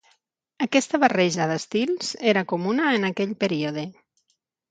Aquesta barreja d'estils era comuna en aquell període.